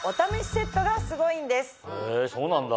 へぇそうなんだ。